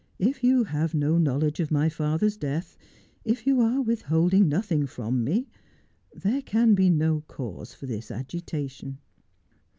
If you have no knowledge of my father's death, if you are withholding nothing from me, there can be no cause for this agitation.'